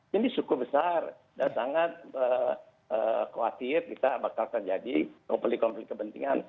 jadi cukup besar dan sangat khawatir kita bakal terjadi konflik konflik kepentingan